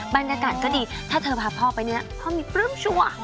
บรรยากาศก็ดีถ้าเธอพาพ่อไปพ่อมีแป้งชัวร์